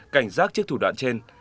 cảnh giác trước thủ đoạn trên